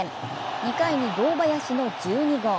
２回に堂林に１２号。